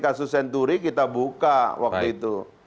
kasus senturi kita buka waktu itu